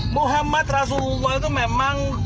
muhammad rasulullah itu memang